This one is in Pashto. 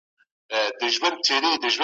سياسي واکمني څه ډول رامنځته کېږي؟